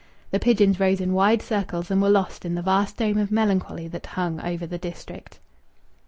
The pigeons rose in wide circles and were lost in the vast dome of melancholy that hung over the district.